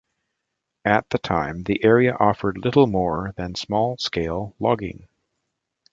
At the time, the area offered little more than small-scale logging.